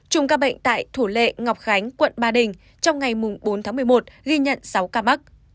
chùm ca bệnh tại thủ lệ ngọc khánh quận ba đình trong ngày bốn tháng một mươi một ghi nhận sáu ca mắc